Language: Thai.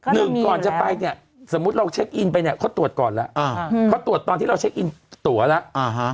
หนึ่งก่อนจะไปเนี่ยสมมุติเราเช็คอินไปเนี่ยเขาตรวจก่อนแล้วเขาตรวจตอนที่เราเช็คอินตัวแล้ว